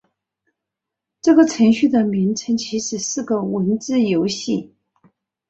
这个程序的名称其实是个文字游戏。